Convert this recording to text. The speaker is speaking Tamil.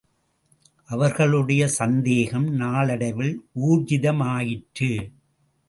அவர்களுடைய சந்தேகம் நாளடைவில் ஊர்ஜிதமாயிற்று.